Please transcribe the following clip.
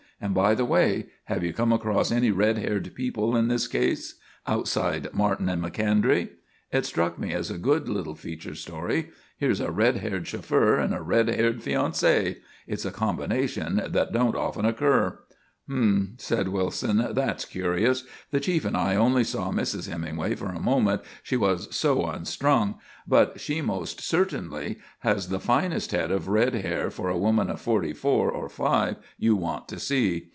And, by the way, have you come across any red haired people in this case outside Martin and Macondray? It struck me as a good little feature story. Here's a red haired chauffeur and a red haired fiancée. It's a combination that don't often occur." "Humph," replied Wilson. "That's curious. The chief and I only saw Mrs. Hemingway for a moment, she was so unstrung, but she most certainly has the finest head of red hair for a woman of forty four or five you want to see.